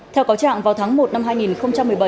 theo cáo trạng vào tháng một năm hai nghìn một mươi bảy